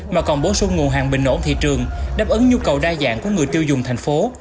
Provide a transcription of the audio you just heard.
mà còn bổ sung nguồn hàng bình ổn thị trường đáp ứng nhu cầu đa dạng của người tiêu dùng thành phố